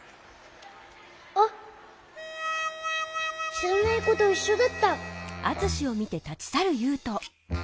しらないこといっしょだった！